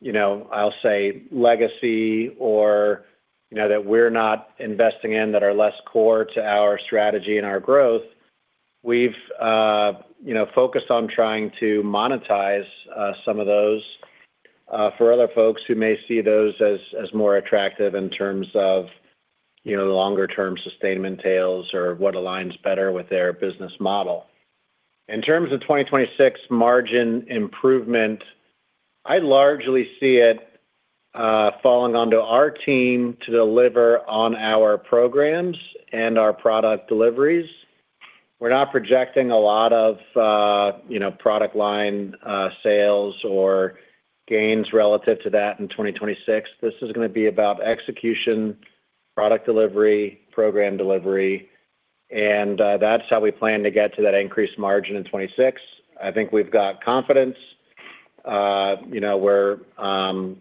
you know, I'll say, legacy or, you know, that we're not investing in, that are less core to our strategy and our growth, we've, you know, focused on trying to monetize some of those for other folks who may see those as more attractive in terms of, you know, the longer-term sustainment tails or what aligns better with their business model. In terms of 2026 margin improvement, I largely see it, falling onto our team to deliver on our programs and our product deliveries. We're not projecting a lot of, you know, product line, sales or gains relative to that in 2026. This is gonna be about execution, product delivery, program delivery, and, that's how we plan to get to that increased margin in 2026. I think we've got confidence. You know, we're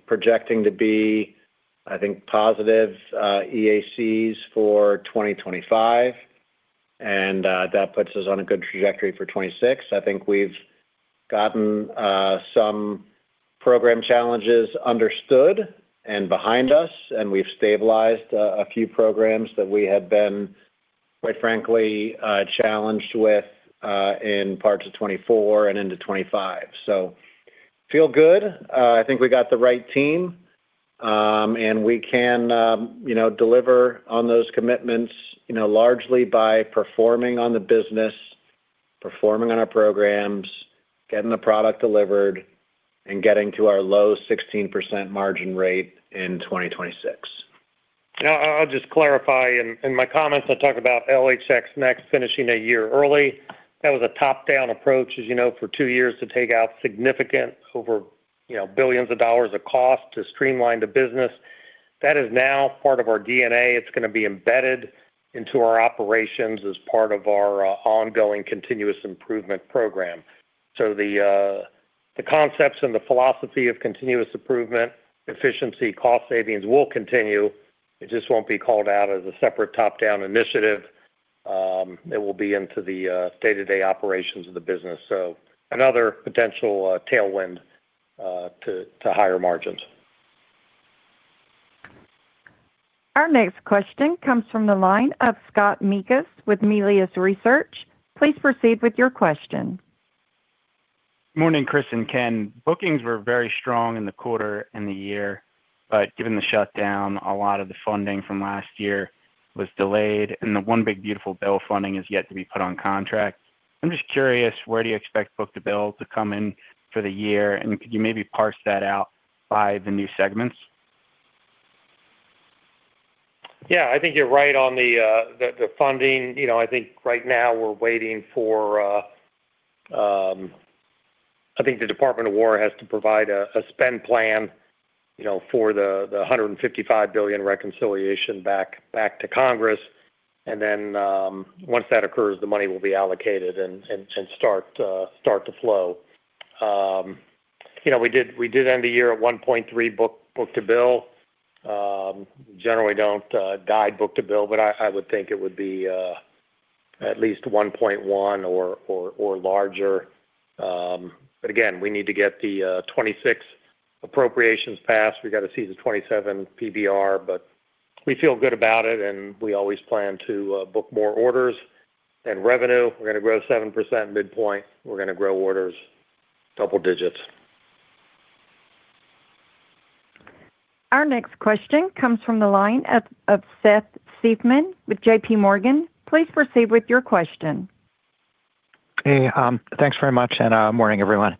projecting to be, I think, positive, EACs for 2025, and, that puts us on a good trajectory for 2026. I think we've gotten, some program challenges understood and behind us, and we've stabilized, a few programs that we had been, quite frankly, challenged with, in parts of 2024 and into 2025. So feel good. I think we got the right team, and we can, you know, deliver on those commitments, you know, largely by performing on our programs, getting the product delivered, and getting to our low 16% margin rate in 2026. Now, I'll just clarify. In my comments, I talked about LHX NeXt finishing a year early. That was a top-down approach, as you know, for two years, to take out significant over, you know, $ billions of cost to streamline the business. That is now part of our DNA. It's gonna be embedded into our operations as part of our ongoing continuous improvement program. So the concepts and the philosophy of continuous improvement, efficiency, cost savings will continue. It just won't be called out as a separate top-down initiative. It will be into the day-to-day operations of the business. So another potential tailwind to higher margins. Our next question comes from the line of Scott Mikus with Melius Research. Please proceed with your question. Morning, Chris and Ken. Bookings were very strong in the quarter and the year, but given the shutdown, a lot of the funding from last year was delayed, and the One Big Beautiful Bill funding is yet to be put on contract. I'm just curious, where do you expect book-to-bill to come in for the year, and could you maybe parse that out by the new segments? Yeah, I think you're right on the funding. You know, I think right now we're waiting for, I think the Department of War has to provide a spend plan, you know, for the $155 billion reconciliation back to Congress. And then, once that occurs, the money will be allocated and start to flow. You know, we did end the year at 1.3 book-to-bill. Generally don't guide book-to-bill, but I would think it would be at least 1.1 or larger. But again, we need to get the 2026 appropriations passed. We've got to see the 2027 PBR, but we feel good about it, and we always plan to book more orders and revenue. We're gonna grow 7% midpoint. We're gonna grow orders double digits. Our next question comes from the line of Seth Seifman with J.P. Morgan. Please proceed with your question. Hey, thanks very much, and morning, everyone.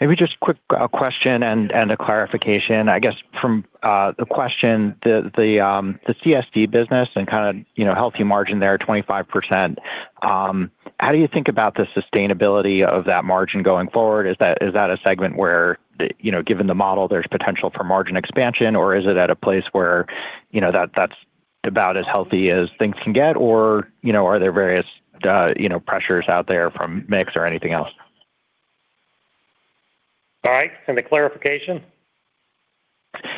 Maybe just a quick question and a clarification. I guess from the question, the CSD business and kinda, you know, healthy margin there, 25%. How do you think about the sustainability of that margin going forward? Is that, is that a segment where the, you know, given the model, there's potential for margin expansion, or is it at a place where, you know, that's about as healthy as things can get? Or, you know, are there various, you know, pressures out there from mix or anything else? All right, and the clarification?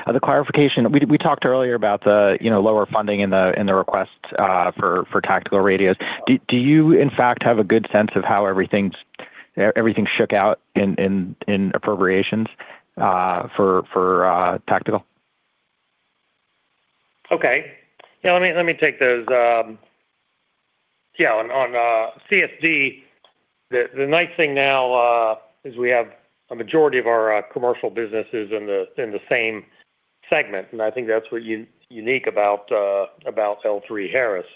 The clarification, we talked earlier about, you know, lower funding in the request for tactical radios. Do you, in fact, have a good sense of how everything shook out in appropriations for tactical? Okay. Yeah, let me take those. Yeah, on CSD, the nice thing now is we have a majority of our commercial businesses in the same segment, and I think that's what is unique about L3Harris.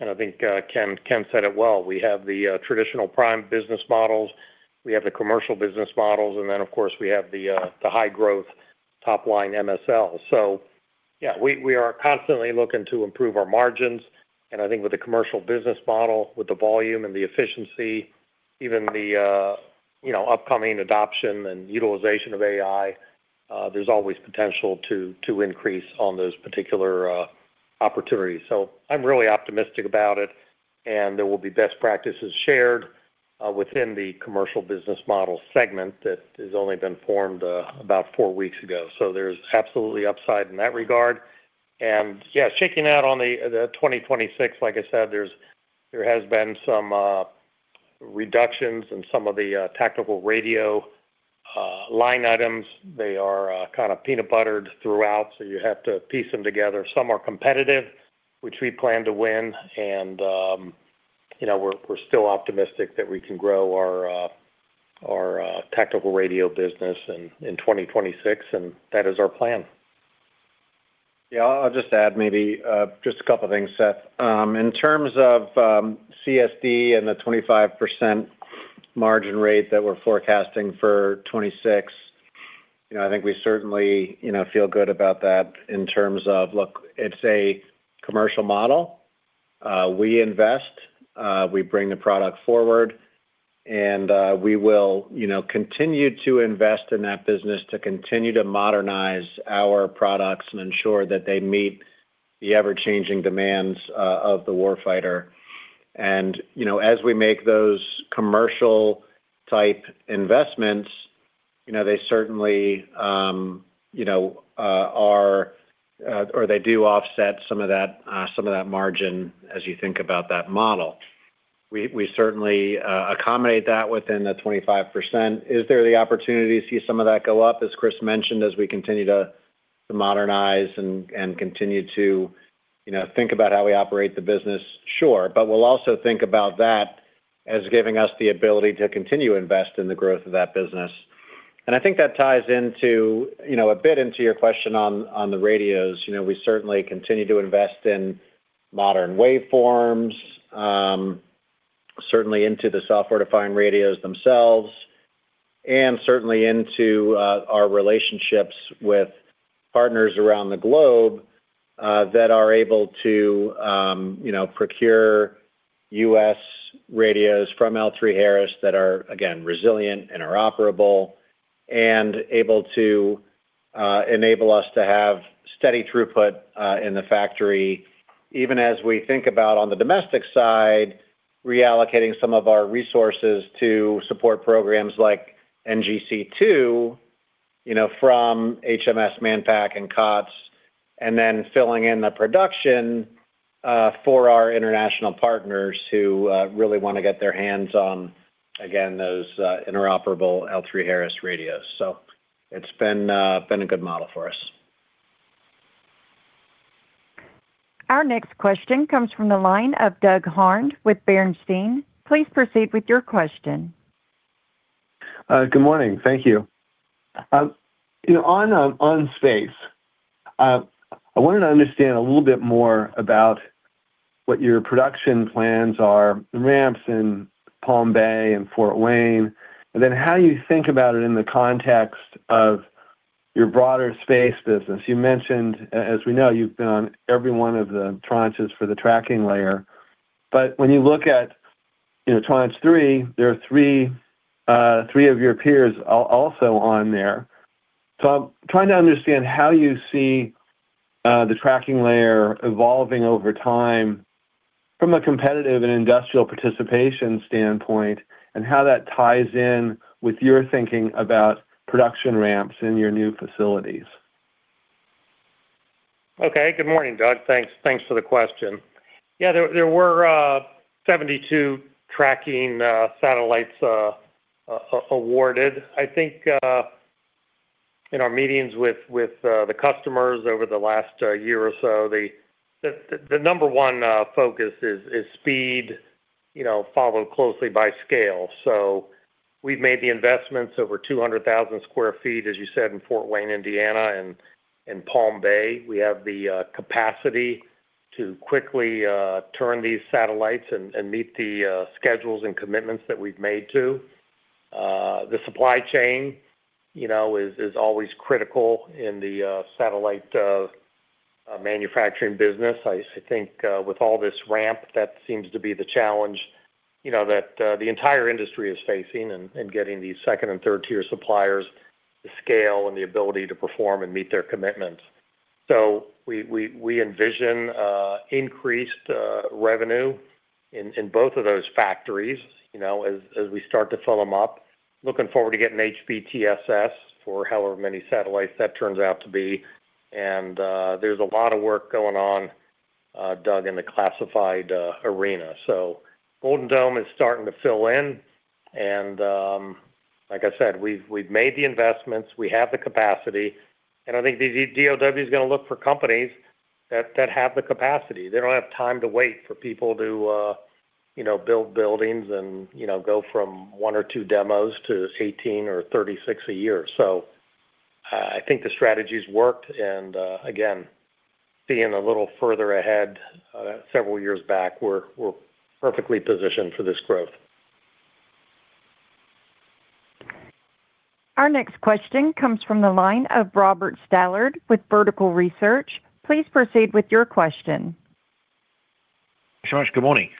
And I think Ken said it well. We have the traditional prime business models, we have the commercial business models, and then, of course, we have the high-growth top-line MSL. So yeah, we are constantly looking to improve our margins, and I think with the commercial business model, with the volume and the efficiency, even the you know upcoming adoption and utilization of AI, there's always potential to increase on those particular opportunities. So I'm really optimistic about it, and there will be best practices shared within the commercial business model segment that has only been formed about four weeks ago. So there's absolutely upside in that regard. And yeah, shaking out on the 2026, like I said, there has been some reductions in some of the tactical radio line items. They are kind of peanut buttered throughout, so you have to piece them together. Some are competitive, which we plan to win, and, you know, we're still optimistic that we can grow our tactical radio business in 2026, and that is our plan. Yeah, I'll just add maybe just a couple of things, Seth. In terms of CSD and the 25% margin rate that we're forecasting for 2026, you know, I think we certainly, you know, feel good about that in terms of, look, it's a commercial model. We invest, we bring the product forward, and we will, you know, continue to invest in that business to continue to modernize our products and ensure that they meet the ever-changing demands of the war fighter. And, you know, as we make those commercial-type investments, you know, they certainly or they do offset some of that, some of that margin as you think about that model. We certainly accommodate that within the 25%. Is there the opportunity to see some of that go up? As Chris mentioned, as we continue to modernize and continue to, you know, think about how we operate the business, sure. But we'll also think about that as giving us the ability to continue to invest in the growth of that business. ...And I think that ties into, you know, a bit into your question on the radios. You know, we certainly continue to invest in modern waveforms, certainly into the software-defined radios themselves, and certainly into our relationships with partners around the globe, that are able to, you know, procure U.S. radios from L3Harris that are, again, resilient, interoperable, and able to enable us to have steady throughput in the factory. Even as we think about on the domestic side, reallocating some of our resources to support programs like NGC-2, you know, from HMS Manpack and COTS, and then filling in the production for our international partners who really want to get their hands on, again, those interoperable L3Harris radios. So it's been a good model for us. Our next question comes from the line of Doug Harned with Bernstein. Please proceed with your question. Good morning. Thank you. You know, on Space, I wanted to understand a little bit more about what your production plans are, the ramps in Palm Bay and Fort Wayne, and then how you think about it in the context of your broader Space business. You mentioned, as we know, you've done every one of the tranches for the Tracking Layer. But when you look at, you know, Tranche 3, there are three of your peers also on there. So I'm trying to understand how you see the Tracking Layer evolving over time from a competitive and industrial participation standpoint, and how that ties in with your thinking about production ramps in your new facilities. Okay. Good morning, Doug. Thanks, thanks for the question. Yeah, there were 72 tracking satellites awarded. I think, in our meetings with the customers over the last year or so, the number one focus is speed, you know, followed closely by scale. So we've made the investments over 200,000 sq ft, as you said, in Fort Wayne, Indiana, and in Palm Bay. We have the capacity to quickly turn these satellites and meet the schedules and commitments that we've made to. The supply chain, you know, is always critical in the satellite manufacturing business. I think with all this ramp, that seems to be the challenge, you know, that the entire industry is facing in getting these second- and third-tier suppliers the scale and the ability to perform and meet their commitments. So we envision increased revenue in both of those factories, you know, as we start to fill them up. Looking forward to getting HBTSS for however many satellites that turns out to be. And there's a lot of work going on, Doug, in the classified arena. So Golden Dome is starting to fill in, and like I said, we've made the investments, we have the capacity, and I think the DoD is going to look for companies that have the capacity. They don't have time to wait for people to, you know, build buildings and, you know, go from one or two demos to 18 or 36 a year. So, I think the strategy's worked, and, again, being a little further ahead, several years back, we're, we're perfectly positioned for this growth. Our next question comes from the line of Robert Stallard with Vertical Research. Please proceed with your question. Thanks so much. Good morning.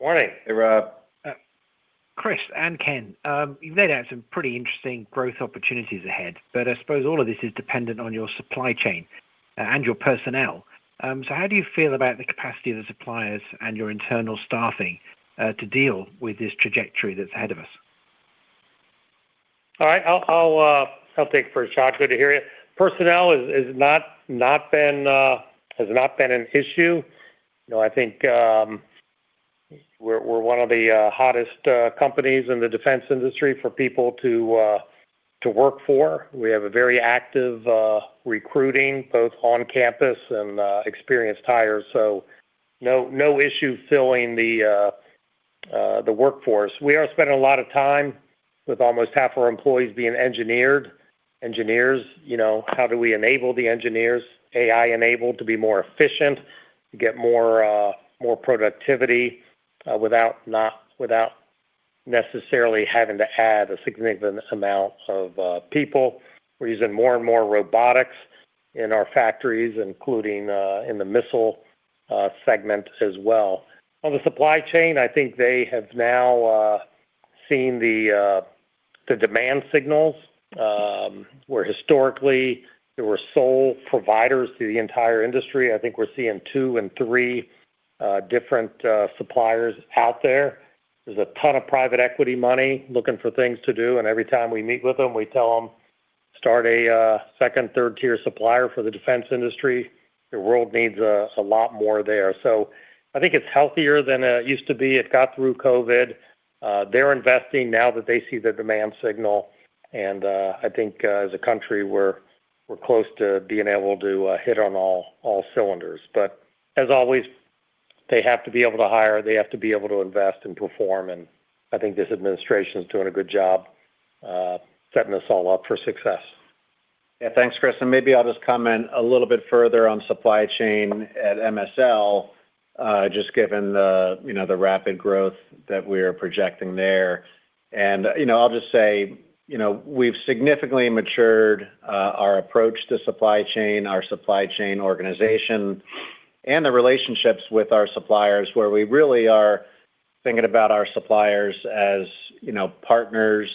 Morning, Rob. Chris and Ken, you've laid out some pretty interesting growth opportunities ahead, but I suppose all of this is dependent on your supply chain and your personnel. So how do you feel about the capacity of the suppliers and your internal staffing to deal with this trajectory that's ahead of us? All right. I'll take first shot. Good to hear you. Personnel has not been an issue. You know, I think, we're one of the hottest companies in the defense industry for people to work for. We have a very active recruiting, both on campus and experienced hires, so no issue filling the workforce. We are spending a lot of time with almost half our employees being engineers, you know, how do we enable the engineers, AI-enabled, to be more efficient, to get more productivity without necessarily having to add a significant amount of people? We're using more and more robotics in our factories, including in the missile segment as well. On the supply chain, I think they have now seen the demand signals, where historically there were sole providers to the entire industry. I think we're seeing two and three different suppliers out there. There's a ton of private equity money looking for things to do, and every time we meet with them, we tell them, "Start a second, third-tier supplier for the defense industry. The world needs a lot more there." So I think it's healthier than it used to be. It got through COVID. They're investing now that they see the demand signal, and I think, as a country, we're close to being able to hit on all cylinders. But as always-... They have to be able to hire, they have to be able to invest and perform, and I think this administration is doing a good job, setting us all up for success. Yeah, thanks, Chris. And maybe I'll just comment a little bit further on supply chain at MSL, just given the, you know, the rapid growth that we are projecting there. And, you know, I'll just say, you know, we've significantly matured our approach to supply chain, our supply chain organization, and the relationships with our suppliers, where we really are thinking about our suppliers as, you know, partners,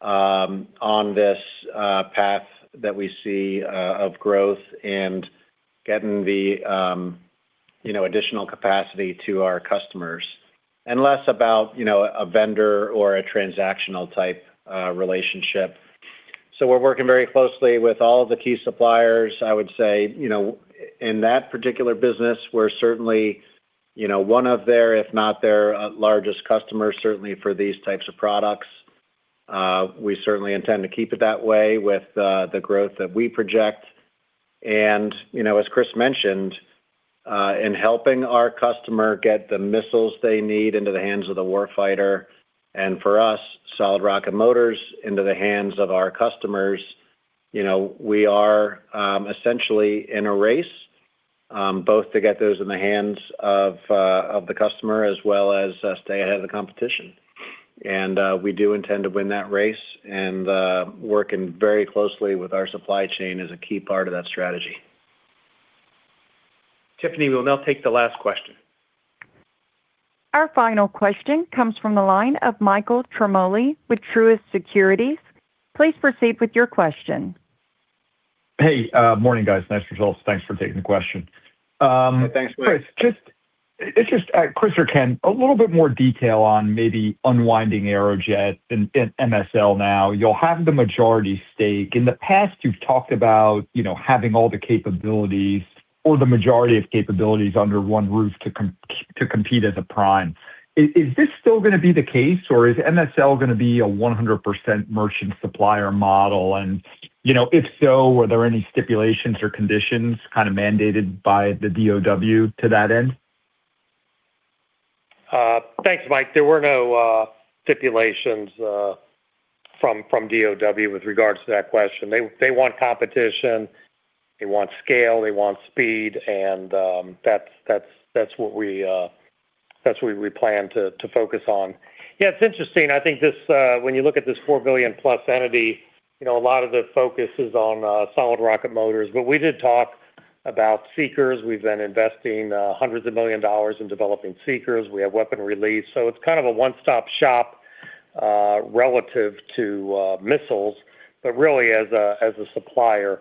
on this path that we see of growth and getting the, you know, additional capacity to our customers, and less about, you know, a vendor or a transactional type relationship. So we're working very closely with all the key suppliers. I would say, you know, in that particular business, we're certainly, you know, one of their, if not their, largest customers, certainly for these types of products. We certainly intend to keep it that way with the growth that we project. And, you know, as Chris mentioned, in helping our customer get the missiles they need into the hands of the warfighter, and for us, solid rocket motors into the hands of our customers, you know, we are essentially in a race both to get those in the hands of the customer as well as stay ahead of the competition. And we do intend to win that race, and working very closely with our supply chain is a key part of that strategy. Tiffany, we'll now take the last question. Our final question comes from the line of Michael Ciarmoli with Truist Securities. Please proceed with your question. Hey, morning, guys. Nice results. Thanks for taking the question. Thanks, Mike. Chris, just it's just Chris or Ken, a little bit more detail on maybe unwinding Aerojet and MSL now. You'll have the majority stake. In the past, you've talked about, you know, having all the capabilities or the majority of capabilities under one roof to compete as a prime. Is this still gonna be the case, or is MSL gonna be a 100% merchant supplier model? And, you know, if so, were there any stipulations or conditions kind of mandated by the DOW to that end? Thanks, Mike. There were no stipulations from DOW with regards to that question. They want competition, they want scale, they want speed, and that's what we plan to focus on. Yeah, it's interesting. I think this, when you look at this $4 billion+ entity, you know, a lot of the focus is on solid rocket motors. But we did talk about seekers. We've been investing $hundreds of millions of dollars in developing seekers. We have weapon release, so it's kind of a one-stop shop relative to missiles, but really as a supplier.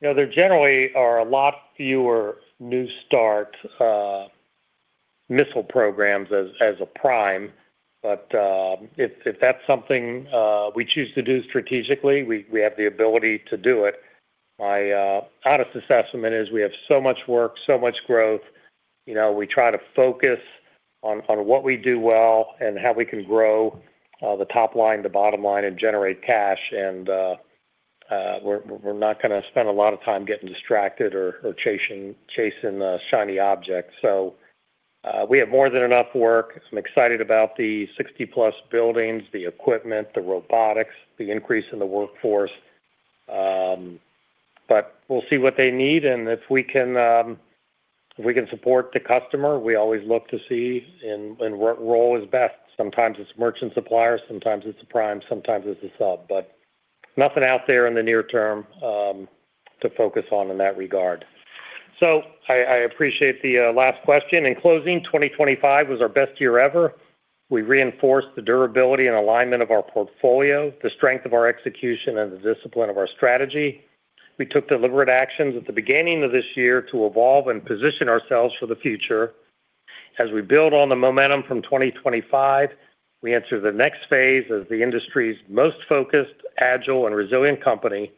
You know, there generally are a lot fewer new start missile programs as a prime, but if that's something we choose to do strategically, we have the ability to do it. My honest assessment is we have so much work, so much growth, you know, we try to focus on what we do well and how we can grow the top line, the bottom line, and generate cash, and we're not gonna spend a lot of time getting distracted or chasing shiny objects. So we have more than enough work. I'm excited about the 60+buildings, the equipment, the robotics, the increase in the workforce. But we'll see what they need, and if we can support the customer, we always look to see in what role is best. Sometimes it's merchant supplier, sometimes it's a prime, sometimes it's a sub, but nothing out there in the near term to focus on in that regard. So I appreciate the last question. In closing, 2025 was our best year ever. We reinforced the durability and alignment of our portfolio, the strength of our execution, and the discipline of our strategy. We took deliberate actions at the beginning of this year to evolve and position ourselves for the future. As we build on the momentum from 2025, we enter the next phase as the industry's most focused, agile, and resilient company,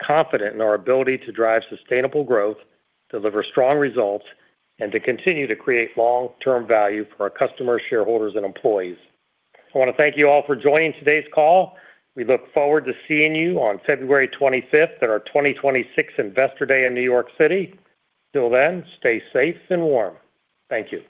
confident in our ability to drive sustainable growth, deliver strong results, and to continue to create long-term value for our customers, shareholders, and employees. I wanna thank you all for joining today's call. We look forward to seeing you on February twenty-fifth at our 2026 Investor Day in New York City. Till then, stay safe and warm. Thank you.